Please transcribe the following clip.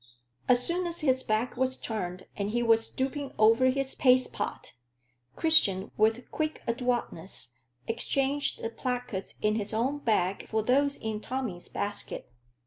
As soon as his back was turned, and he was stooping over his paste pot, Christian, with quick adroitness, exchanged the placards in his own bag for those in Tommy's basket.